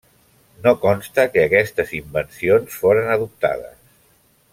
No consta que aquestes invencions foren adoptades.